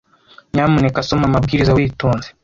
Nyamuneka soma amabwiriza witonze.